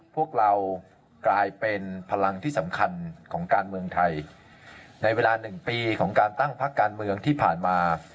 พวกเรากลายเป็นพลังที่สำคัญของการเมืองไทยในเวลาหนึ่งปีของการตั้งพักการเมืองที่ผ่านมา